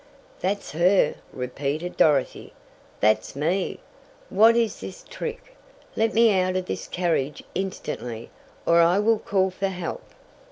"That's her!" repeated Dorothy. "That's me! What is this trick? Let me out of this carriage instantly, or I will call for help!"